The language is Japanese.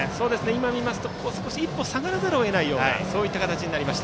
今見ますと少し一歩下がらざるを得ない形での捕球でした。